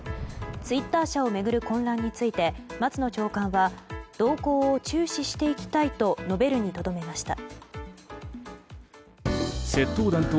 ツイッター社を巡る混乱について松野長官は動向を注視していきたいと述べるにとどめました。